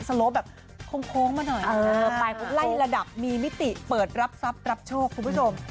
โลปแบบโค้งมาหน่อยไปไล่ระดับมีมิติเปิดรับทรัพย์รับโชคคุณผู้ชม